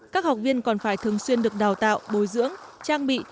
các học viên còn phải thường xuyên được đào tạo bồi dưỡng trang bị